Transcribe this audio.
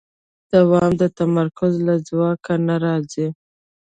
دوام د تمرکز له ځواک نه راځي.